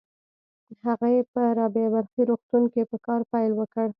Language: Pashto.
هغې په رابعه بلخي روغتون کې په کار پيل وکړ.